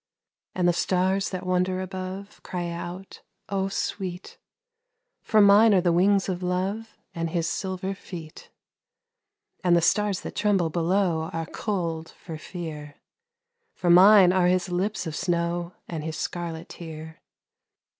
And the stars that wonder above Cry out, "Oh, sweet !" For mine are the wings of love And his silver feet. 98 THE ARTIST And the stars that tremble below Are cold for fear, For mine are his lips of snow And his scarlet tear.